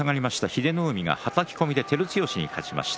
英乃海がはたき込みで照強に勝ちました。